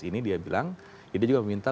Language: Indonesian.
ini dia bilang dia juga meminta